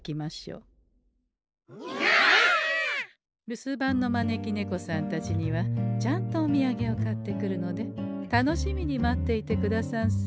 留守番の招き猫さんたちにはちゃんとおみやげを買ってくるので楽しみに待っていてくださんせ。